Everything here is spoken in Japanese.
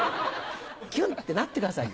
「キュン！」ってなってくださいよ。